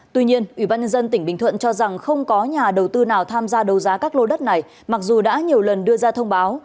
tuy nhiên ubnd tỉnh bình thuận cho rằng không có nhà đầu tư nào tham gia đầu giá các lô đất này mặc dù đã nhiều lần đưa ra thông báo